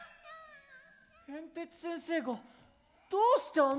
へんてつ先生がどうしてあのネコを？